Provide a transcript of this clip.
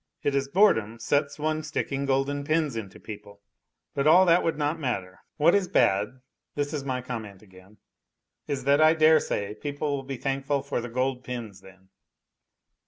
It is boredom sets one st irking golden pins into people, but all that would not matter. What is bad (this is my comment again) is that I dare say people will be thankful for the gold pins then.